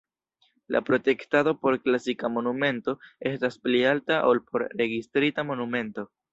La protektado por klasita monumento estas pli alta ol por registrita monumento.